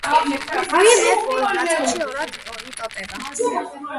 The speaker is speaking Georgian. მღვიმე ბოლო ნაწილში ორად იტოტება.